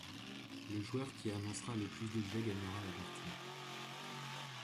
Le joueur qui annoncera le plus d'objets gagnera la partie.